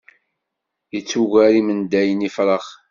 Ittuger imendayen ifrax.